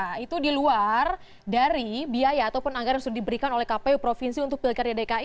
nah itu di luar dari biaya ataupun anggaran yang sudah diberikan oleh kpu provinsi untuk pilkada dki